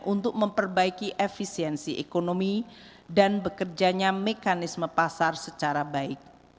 untuk memperbaiki efisiensi ekonomi dan bekerjanya mekanisme pasar secara baik